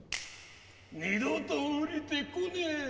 二度とおりてこねえ。